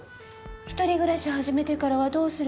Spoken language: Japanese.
一人暮らし始めてからはどうするわけ？